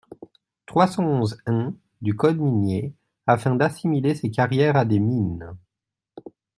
trois cent onze-un du code minier afin d’assimiler ces carrières à des mines.